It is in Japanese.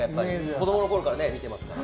子供のころから見ていますから。